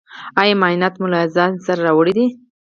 ایا معاینات مو له ځان سره راوړي دي؟